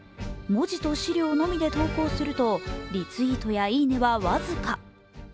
文字と資料のみで投稿するとリツイートや「いいね」は僅か。